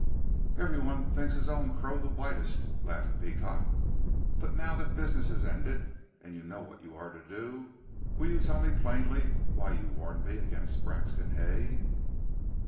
"Everyone thinks his own crow the whitest," laughed Beecot. "But now that business is ended and you know what you are to do, will you tell me plainly why you warned me against Grexon Hay?"